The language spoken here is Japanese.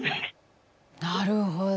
なるほど。